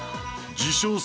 自称